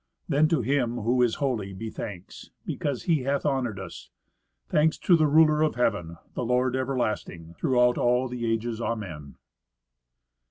Then to Him who is holy be thanks, Because He hath honored us; thanks to the Ruler of Heaven, The Lord everlasting, throughout all the ages! Amen.